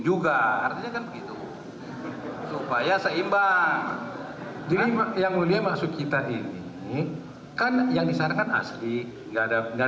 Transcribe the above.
juga artinya kan begitu supaya seimbang jadi yang mulia maksud kita ini kan yang disarankan asli enggak ada enggak